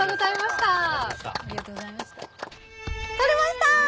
採れました！